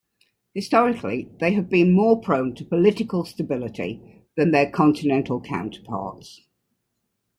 Historically they have been more prone to political stability than their continental counterparts.